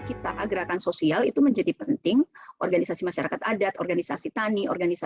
kita agrar akan sosial itu menjadi penting organisasi masyarakat adat organisasi tani